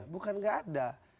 bukan nggak ada